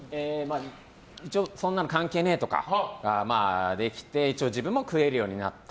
一応、そんなの関係ねえ！とかできて一応、自分も食えるようになった。